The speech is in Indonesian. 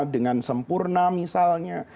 dengan sempurna misalnya